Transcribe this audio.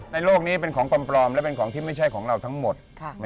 โลกนี้เป็นของปลอมและเป็นของที่ไม่ใช่ของเราทั้งหมด